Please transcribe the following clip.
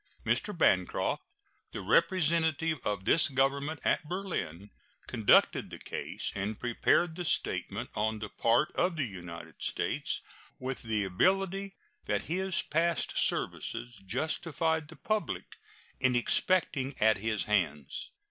Mr. Bancroft, the representative of this Government at Berlin, conducted the case and prepared the statement on the part of the United States with the ability that his past services justified the public in expecting at his hands.